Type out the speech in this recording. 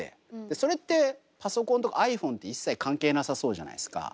それってパソコンとかｉＰｈｏｎｅって一切関係なさそうじゃないですか。